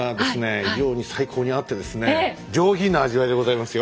非常に最高に合ってですね上品な味わいでございますよ。